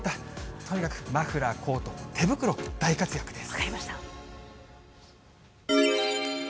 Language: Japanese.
とにかくマフラー、コート、ビル火災です。